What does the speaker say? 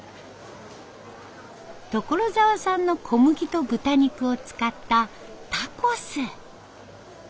所沢産の小麦と豚肉を使ったタコス。